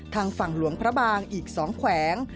ทางฝั่งหลวงพระบางอีก๒แขวง